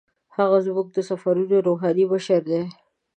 هغه زموږ د سفرونو روحاني مشر دی.